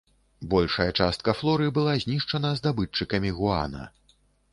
Большая частка флоры была знішчана здабытчыкамі гуана.